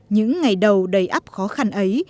những ngày đầu đầy áp khó khăn ấy